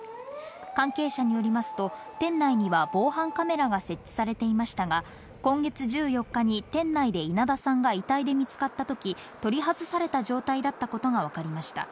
関係者によりますと、店内には防犯カメラが設置されていましたが、今月１４日に店内で稲田さんが遺体で見つかったとき、取り外された状態だったことが分かりました。